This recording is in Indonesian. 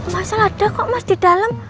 masalah ada kok mas di dalam